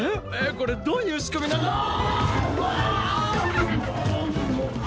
これどういう仕組みなあ